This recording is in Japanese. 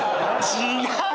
違う！